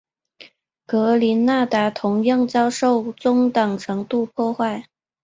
格林纳达同样遭受中等程度破坏。